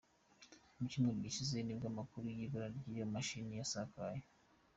Mu cyumweru gishize nibwo amakuru y’ibura ry’iyo mashini yasakaye.